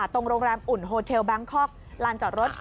โรงแรมอุ่นโฮเทลแบงคอกลานจอดรถ